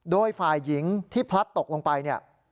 โดยฝ่ายหญิงที่พลัดตกลงไปเนี่ย